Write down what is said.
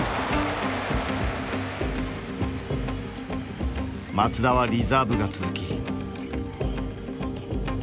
松田はリザーブが続き。